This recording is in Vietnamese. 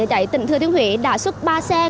ở cháy tỉnh thừa thiên huế đã xuất ba xe